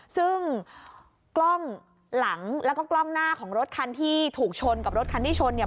ซึ่งกล้องหลังแล้วก็กล้องหน้าของรถคันที่ถูกชนกับรถคันที่ชนเนี่ย